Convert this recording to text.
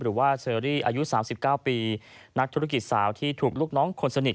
หรือว่าเชอรี่อายุ๓๙ปีนักธุรกิจสาวที่ถูกลูกน้องคนสนิท